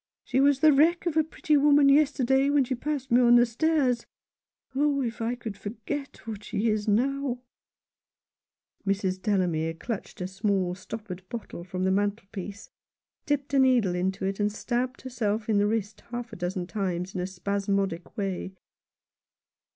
She was the wreck of a pretty woman yesterday when she passed me on the stairs. Oh, if I could forget what she is now !" Mrs. Delamere clutched a small stoppered bottle from the mantelpiece, dipped a needle into it, and stabbed herself in the wrist half a dozen times in a spasmodic way.